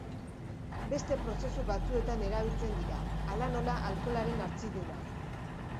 Beste prozesu batzuetan erabiltzen dira, hala nola alkoholaren hartziduran.